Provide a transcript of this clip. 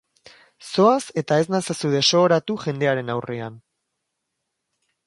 Zoaz eta ez nazazu desohoratu jendearen aurrean.